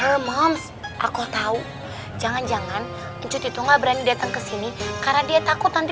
hermams aku tahu jangan jangan mencuri tunggal berani datang ke sini karena dia takut nanti